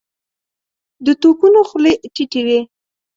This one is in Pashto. د توپونو خولې ټيټې وې.